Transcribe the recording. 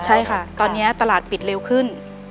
ใช่ค่ะตอนนี้ตลาดปิดเร็วขึ้น